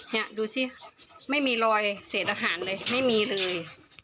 เนี่ยดูสิไม่มีรอยเศษอาหารเลยไม่มีเลย